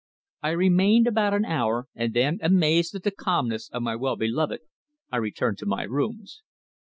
I remained about an hour, and then, amazed at the calmness of my well beloved, I returned to my rooms.